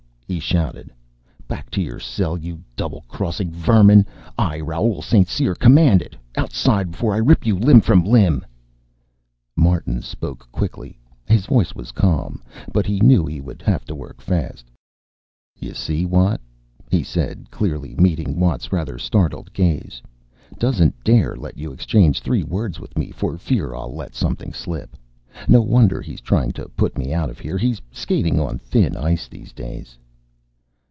he shouted. "Back to your cell, you double crossing vermin! I, Raoul St. Cyr, command it. Outside, before I rip you limb from limb " Martin spoke quickly. His voice was calm, but he knew he would have to work fast. "You see, Watt?" he said clearly, meeting Watt's rather startled gaze. "Doesn't dare let you exchange three words with me, for fear I'll let something slip. No wonder he's trying to put me out of here he's skating on thin ice these days."